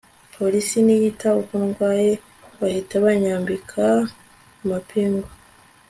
police ntiyita uko ndwaye bahita banyambika amapingu